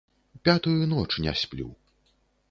Пятую ноч не сплю.